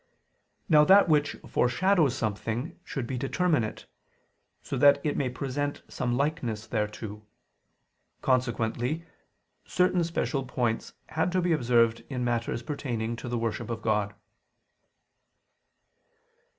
Now that which foreshadows something should be determinate, so that it may present some likeness thereto. Consequently, certain special points had to be observed in matters pertaining to the worship of God.